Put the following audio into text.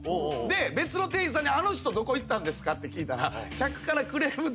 で別の店員さんにあの人どこ行ったんですか？って聞いたら。